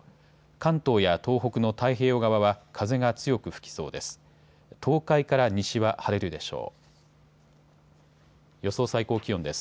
関東や東北の太平洋側は風が強く吹きそうです。